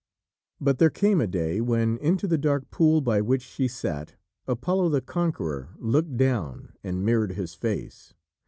But there came a day when, into the dark pool by which she sat, Apollo the Conqueror looked down and mirrored his face.